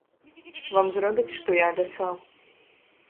Вам зробяць, што я абяцаў.